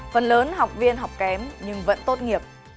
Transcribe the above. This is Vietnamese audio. phần lớn học viên học kém nhưng vẫn tốt nghiệp